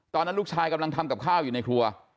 ตอนนั้นลูกชายกำลังทำกับข้าวอยู่ในครัว